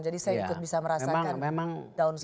jadi saya juga bisa merasakan down sekali